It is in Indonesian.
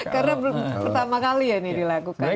karena belum pertama kali ya ini dilakukan